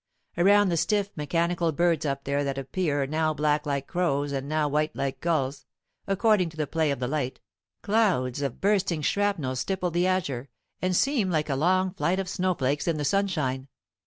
Around the stiff mechanical birds up there that appear now black like crows and now white like gulls, according to the play of the light, clouds of bursting shrapnel stipple the azure, and seem like a long flight of snowflakes in the sunshine.